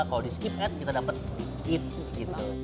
kalau di skip at kita dapat eat gitu